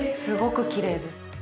すごくきれいです。